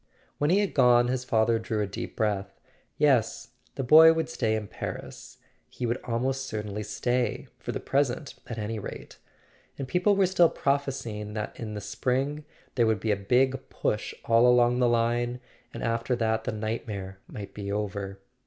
When he had gone his father drew a deep breath. Yes—the boy would stay in Paris; he would almost certainly stay; for the present, at any rate. And people were still prophesying that in the spring there would be a big push all along the line; and after that the nightmare might be over.